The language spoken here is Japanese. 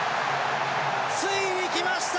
ついに来ました！